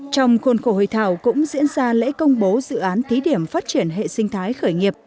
trong khuôn khổ hội thảo cũng diễn ra lễ công bố dự án thí điểm phát triển hệ sinh thái khởi nghiệp